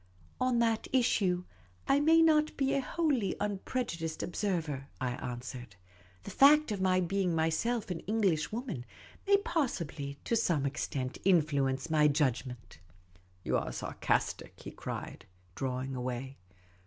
" On that issue, I may not be a wholly unprejudiced ob server," I answered. " The fact of my being myself an Englishwoman may possibly to some extent influence my j udgment. ''" You are sarcastic," he cried, drawing away.